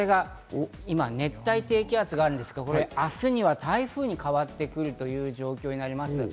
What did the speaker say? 今、熱帯低気圧があるんですけど、明日には台風に変わってくるという状況になります。